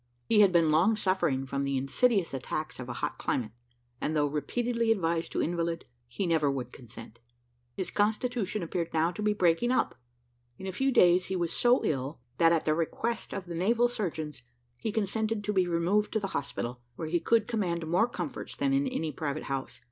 He had been long suffering from the insidious attacks of a hot climate, and though repeatedly advised to invalid, he never would consent. His constitution appeared now to be breaking up. In a few days he was so ill, that, at the request of the naval surgeons, he consented to be removed to the hospital, where he could command more comforts than in any private house.